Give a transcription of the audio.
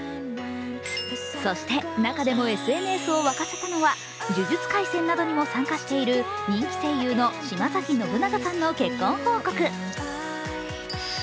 そして中でもＳＮＳを沸かせたのは「呪術廻戦」などにも参加している人気声優の島崎信長さんの結婚報告。